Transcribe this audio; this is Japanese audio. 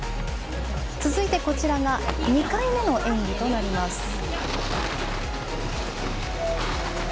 続いて、２回目の演技となります。